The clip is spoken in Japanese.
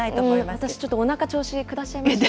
私ちょっとおなか調子くだしちゃいました。